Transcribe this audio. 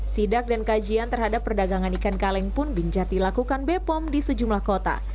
sidak dan kajian terhadap perdagangan ikan kaleng pun binjar dilakukan bepom di sejumlah kota